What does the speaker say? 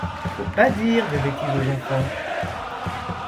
Faut pas dire de bêtises aux enfants !